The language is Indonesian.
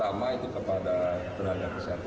prioritas pertama itu kepada tenaga kesehatan